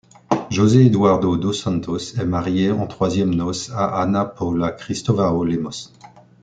José Eduardo dos Santos est marié en troisièmes noces à Ana Paula Cristóvão Lemos.